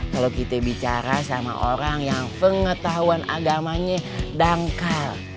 kalau kita bicara sama orang yang pengetahuan agamanya dangkal